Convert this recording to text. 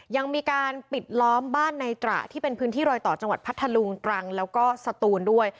ยังมีการปิดล้อมบ้านในตระที่เป็นพื้นที่รอยต่อจังหวัดพัทธลุงตรังแล้วก็สตูนด้วย